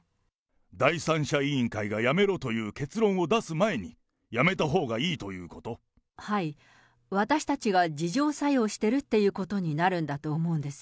第三者委員会が辞めろという結論を出す前に、辞めたほうがいはい、私たちが自浄作用してるっていうことになるんだと思うんです。